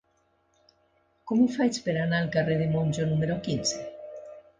Com ho faig per anar al carrer de Monjo número quinze?